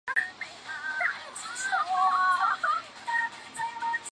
他真实代表了大多数人的精神特质这一事实就是证明他力量的最为令人信服的证据。